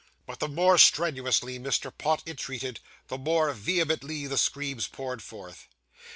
But the more strenuously Mr. Pott entreated, the more vehemently the screams poured forth.